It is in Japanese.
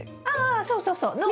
あそうそうそう。